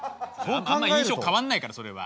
あんま印象変わんないからそれは。